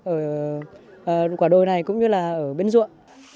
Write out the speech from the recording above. ở quả đồi này cũng như là ở bến duộn